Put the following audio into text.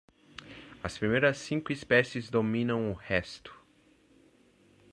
As primeiras cinco espécies dominam o resto.